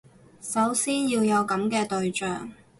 首先要有噉嘅對象